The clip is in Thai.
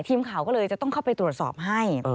ทีมข่าวก็เลยจะต้องเข้าไปตรวจสอบให้